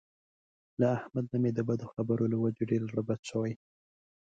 له احمد نه مې د بدو خبر له وجې ډېر زړه بد شوی.